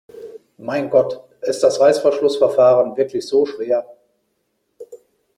Mein Gott, ist das Reißverschlussverfahren wirklich so schwer?